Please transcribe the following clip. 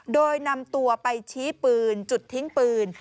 โดยนำตัวไปชี้ปืนจุดทิ้งปืน